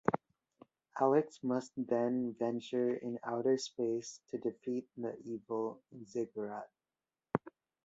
Alex must then venture in outer space to defeat the evil Ziggurat.